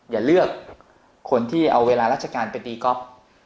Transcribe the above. อย่าเลือกคนที่เอาเวลาราชการไปตีก๊อฟ